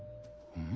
うん？